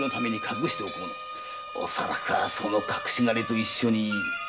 恐らくはその隠し金と一緒に。